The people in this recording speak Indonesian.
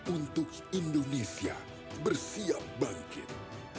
untuk indonesia bersiap bangkit